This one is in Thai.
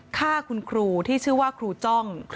ฆ่าคุณครูที่ชื่อว่าครูจ้อง